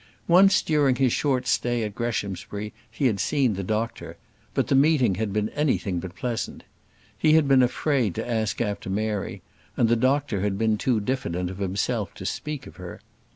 Once during his short stay at Greshamsbury he had seen the doctor; but the meeting had been anything but pleasant. He had been afraid to ask after Mary; and the doctor had been too diffident of himself to speak of her.